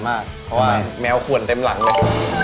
เพราะว่าแมวขวนเต็มหลังเลย